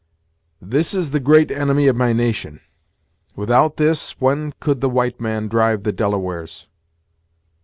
"This is the great enemy of my nation. Without this, when could the white man drive the Delawares?